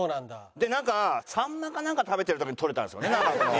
なんかサンマかなんか食べてる時に取れたんですよね。